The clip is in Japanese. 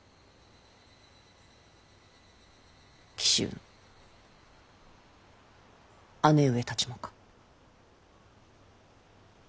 紀州の姉上たちもか？